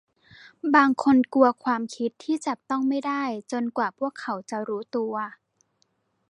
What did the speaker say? บางคนกลัวความคิดที่จับต้องไม่ได้จนกว่าพวกเขาจะรู้ตัว